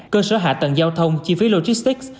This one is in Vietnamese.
cơ sở hạ tầng giao thông chi phí logistics